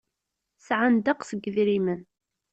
Sɛan ddeqs n yedrimen.